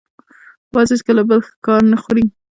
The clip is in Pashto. باز هېڅکله د بل ښکار نه خوري